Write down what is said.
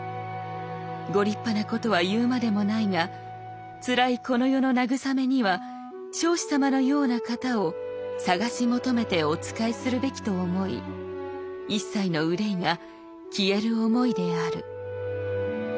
ご立派なことは言うまでもないがつらいこの世の慰めには彰子様のような方を探し求めてお仕えするべきと思い一切の憂いが消える思いである」。